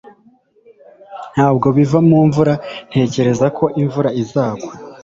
Ntabwo biva mu mvura Ntekereza ko imvura izagwa